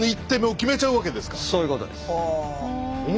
そういうことです。